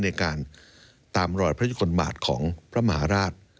ในการตามรอยพระยุคลบาทของพระมหาราช